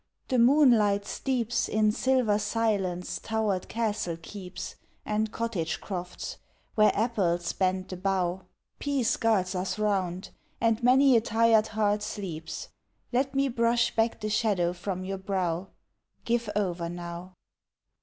The moonlight steeps In silver silence towered castle keeps And cottage crofts, where apples bend the bough. Peace guards us round, and many a tired heart sleeps. Let me brush back the shadow from your brow. Give over now.